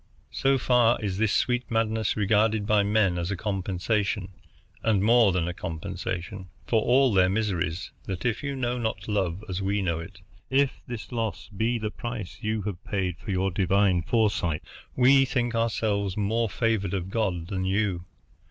So far is this sweet madness regarded by men as a compensation, and more than a compensation, for all their miseries that if you know not love as we know it, if this loss be the price you have paid for your divine foresight, we think ourselves more favored of God than you.